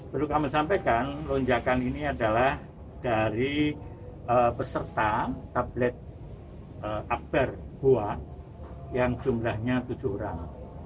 perlu kami sampaikan lonjakan ini adalah dari peserta tablet akbar goa yang jumlahnya tujuh orang